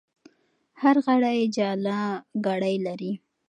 هر غړی جلا ګړۍ لري.